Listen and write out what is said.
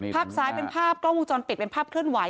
ภาพสายเป็นภาพกล้องอุงจรเปล็นภาพเคลื่อนไหว